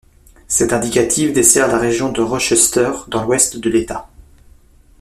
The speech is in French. Cet indicatif dessert la région de Rochester dans l'ouest de l'État.